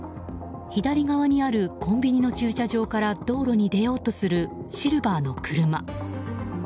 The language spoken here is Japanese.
左側にあるコンビニの駐車場から道路に出ようとするシルバーの車。